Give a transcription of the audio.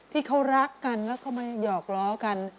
ที่เขารักกันแล้วก็มาหยอกล้อกัน